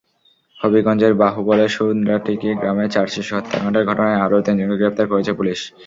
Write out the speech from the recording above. হবিগঞ্জের বাহুবলের সুন্দ্রাটিকি গ্রামে চার শিশু হত্যাকাণ্ডের ঘটনায় আরও তিনজনকে গ্রেপ্তার করেছে পুলিশ।